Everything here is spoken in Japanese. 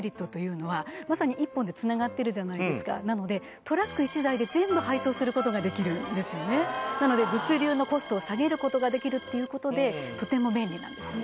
たくさんあってなのでトラック１台で全部配送することができるんですよねなので物流のコストを下げることができるっていうことでとても便利なんですね